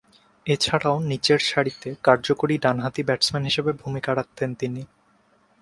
এছাড়াও, নিচেরসারিতে কার্যকরী ডানহাতি ব্যাটসম্যান হিসেবে ভূমিকা রাখতেন তিনি।